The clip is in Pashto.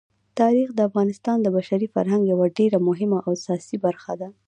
تاریخ د افغانستان د بشري فرهنګ یوه ډېره مهمه او اساسي برخه ده.